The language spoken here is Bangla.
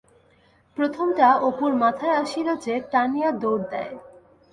প্রথমটা অপুর মাথায় আসিল যে টানিয়া দৌড় দেয়।